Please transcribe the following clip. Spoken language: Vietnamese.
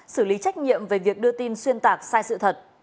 xử lý trách nhiệm về việc đưa tin xuyên tạc sai sự thật